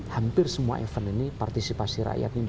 hampir semua event ini partisipasi rakyat ini